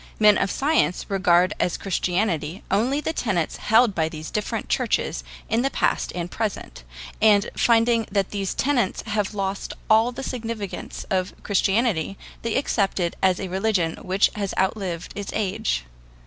Men of science regard as Christianity only the tenets held by the different churches in the past and present; and finding that these tenets have lost all the significance of Christianity, they accept it as a religion which has outlived its age.